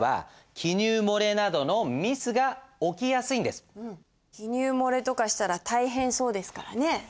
でも記入漏れとかしたら大変そうですからね。